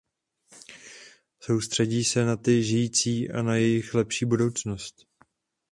Soustředí se na ty žijící a na jejich lepší budoucnost.